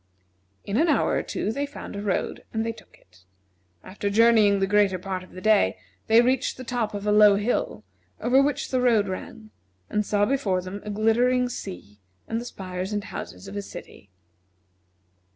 In an hour or two they found a road and they took it. After journeying the greater part of the day, they reached the top of a low hill, over which the road ran, and saw before them a glittering sea and the spires and houses of a city.